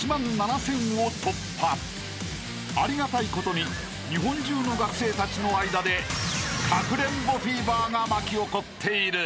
［ありがたいことに日本中の学生たちの間でかくれんぼフィーバーが巻き起こっている］